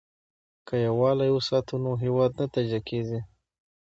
که یووالي وساتو نو هیواد نه تجزیه کیږي.